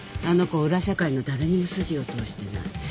あの子裏社会の誰にも筋を通してない